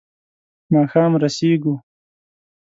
ماښام رسېږو.